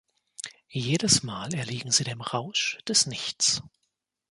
Jedesmal erliegen Sie dem Rausch des Nichts.